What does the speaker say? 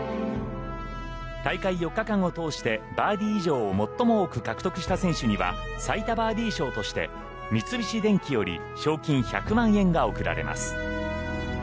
大会４日間を通してバーディー以上を最も多く獲得した選手には最多バーディー賞として三菱電機より賞金１００万円が贈られます。